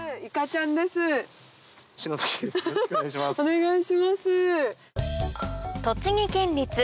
お願いします。